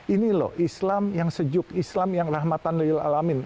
ini loh islam yang sejuk islam yang rahmatan lil alamin